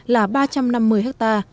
là ba trăm năm mươi hecta